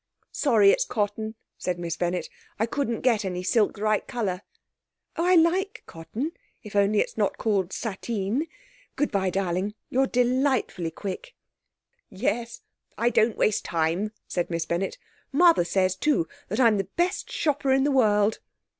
'Sorry it's cotton,' said Miss Bennett. 'I couldn't get any silk the right colour.' 'Oh, I like cotton, if only it's not called sateen! Good bye, darling. You're delightfully quick!' 'Yes, I don't waste time,' said Miss Bennett. 'Mother says, too, that I'm the best shopper in the world.'